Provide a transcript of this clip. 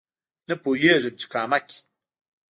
نه پوهېږم چې کامه کې